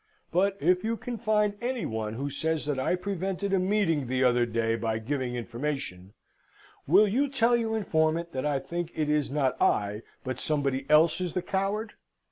But if you can find any one who says that I prevented a meeting the other day by giving information, will you tell your informant that I think it is not I but somebody else is the coward?